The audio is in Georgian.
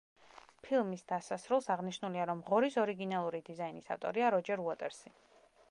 ფილმის დასასრულს აღნიშნულია, რომ ღორის ორიგინალური დიზაინის ავტორია როჯერ უოტერსი.